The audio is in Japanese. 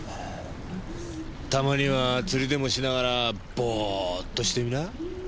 たまには釣りでもしながらボーッとしてみな。